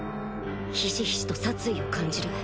ひしひしと殺意を感じる